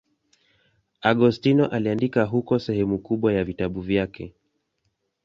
Agostino aliandika huko sehemu kubwa ya vitabu vyake.